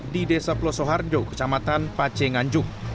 di desa pelosoharjo kecamatan pace nganjuk